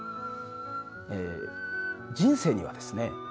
人生にはですね